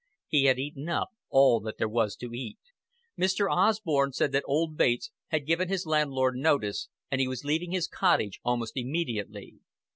He had eaten up all that there was to eat. Mr. Osborn said that old Bates had given his landlord notice, and he was leaving his cottage almost immediately.